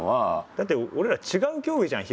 だって俺ら違う競技じゃん。